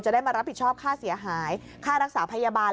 ได้มารับผิดชอบค่าเสียหายค่ารักษาพยาบาล